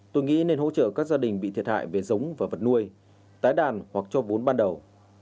tôi nghĩ nên hỗ trợ các gia đình bị thiệt hại về giống và vật nuôi tái đàn hoặc cho vốn ban đầu